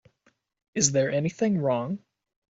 Is there anything wrong?